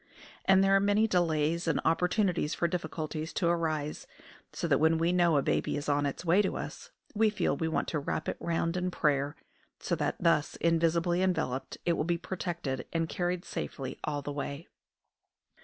And there are many delays and opportunities for difficulties to arise; so that when we know a baby is on its way to us we feel we want to wrap it round in prayer, so that, thus invisibly enveloped, it will be protected and carried safely all the way.